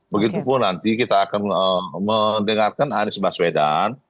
begitupun nanti kita akan mendengarkan anies baswedan